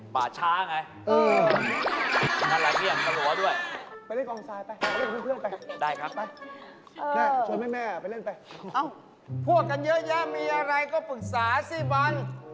พวกกันเยอะแยะมีอะไรก็ปรึกษาสิบอล